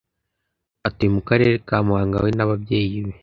atuye mu karere ka muhanga we nababyeyi be